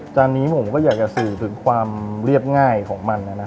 จานนี้ผมก็อยากจะสื่อถึงความเรียบง่ายของมัน